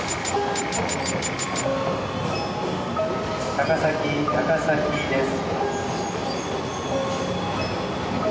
「高崎高崎です」